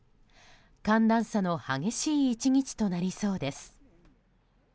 寒暖差の激しい１日となりそうです。